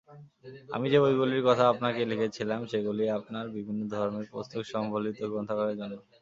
আমি যে বইগুলির কথা আপনাকে লিখেছিলাম, সেগুলি আপনার বিভিন্ন ধর্মের পুস্তক-সম্বলিত গ্রন্থাগারের জন্য।